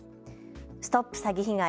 ＳＴＯＰ詐欺被害！